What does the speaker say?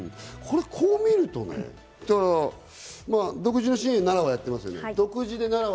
こう見るとね、独自の支援を奈良はやってますね。